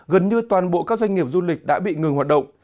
gần như toàn bộ các doanh nghiệp du lịch đã bị ngừng hoạt động